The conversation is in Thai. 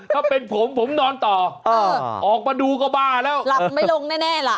ถ้าเป็นผมผมนอนต่อเออออกมาดูก็บ้าแล้วหลับไม่ลงแน่ล่ะ